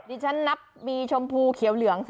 ดิฉันนับมีชมพูเขียวเหลือง